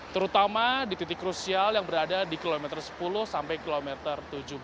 terutama di titik krusial yang berada di kilometer sepuluh sampai kilometer tujuh belas